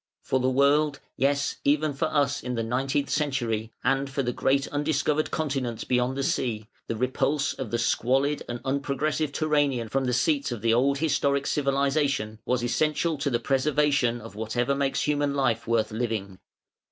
For the world, yes even for us in the nineteenth century, and for the great undiscovered continents beyond the sea, the repulse of the squalid and unprogressive Turanian from the seats of the old historic civilisation, was essential to the preservation of whatever makes human life worth living.